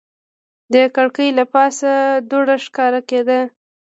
د کړکۍ له پاسه دوړه ښکاره کېده.